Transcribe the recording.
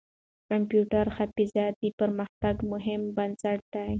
کمپيوټري حافظه د دې پرمختګ مهم بنسټ دی.